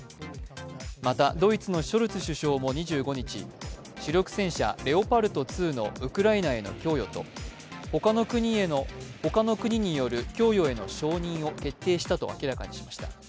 またドイツのショルツ首相も２５日、主力戦車レオパルト２のウクライナへの供与とほかの国による供与への承認を決定したと明らかにしました。